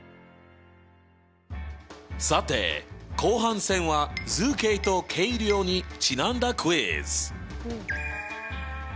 さて後半戦は「図形と計量」にちなんだクイズ！